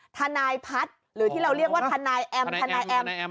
ธนายพัดหรือที่เราเรียกว่าธนายแอมบ์นะ